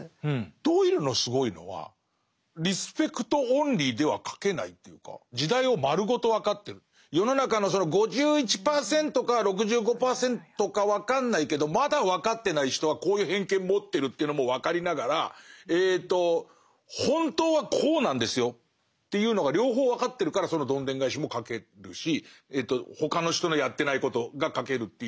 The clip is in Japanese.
ドイルのすごいのは世の中のその５１％か６５％か分かんないけどまだ分かってない人はこういう偏見持ってるというのも分かりながら「本当はこうなんですよ」というのが両方分かってるからそのどんでん返しも書けるし他の人のやってないことが書けるという気がして。